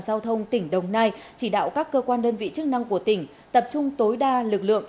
giao thông tỉnh đồng nai chỉ đạo các cơ quan đơn vị chức năng của tỉnh tập trung tối đa lực lượng